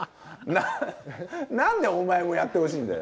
なんでお前もやってほしいんだよ。